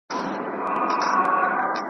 حکومت د ولس مسئولیت لري.